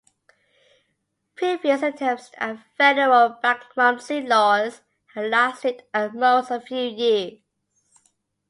Previous attempts at federal bankruptcy laws had lasted at most a few years.